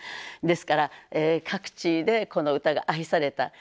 ですから各地でこの歌が愛された。